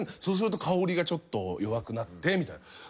そうすると香りがちょっと弱くなってみたいな。